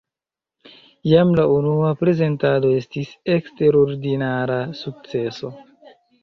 Jam la unua prezentado estis eksterordinara sukceso.